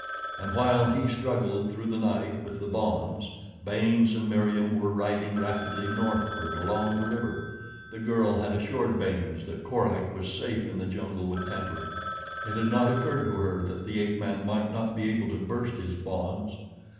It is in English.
And while he struggled through the night with his bonds, Baynes and Meriem were riding rapidly northward along the river. The girl had assured Baynes that Korak was safe in the jungle with Tantor. It had not occurred to her that the ape man might not be able to burst his bonds.